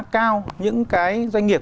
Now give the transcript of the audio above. cao những cái doanh nghiệp